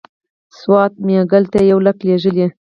سوات میاګل ته یو لیک لېږلی.